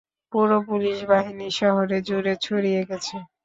পুরো পুলিশ বাহিনী শহরে জুরে ছড়িয়ে গেছে।